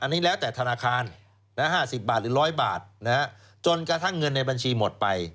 อันนี้แล้วแต่ธนาคาร๕๐บาทหรือ๑๐๐บาทจนกระทั่งเงินในบัญชีหมดไป